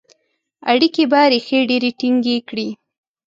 اړیکي به ریښې ډیري ټینګي کړي.